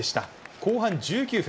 後半１９分。